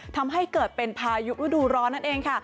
ทำให้เกิดเป็นพายุฤดูร้อนนั่นเองค่ะ